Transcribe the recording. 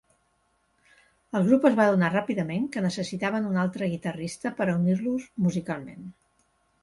El grup es va adonar ràpidament que necessitaven un altre guitarrista per a unir-los musicalment.